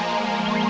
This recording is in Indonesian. jam berapa sekarang